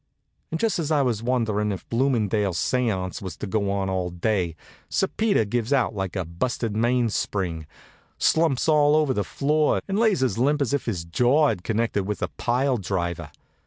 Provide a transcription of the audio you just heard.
And just as I was wondering if this Bloomingdale séance was to go on all day, Sir Peter gives out like a busted mainspring, slumps all over the floor, and lays as limp as if his jaw had connected with a pile driver.